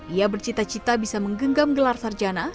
ia bercita cita bisa menggenggam gelar sarjana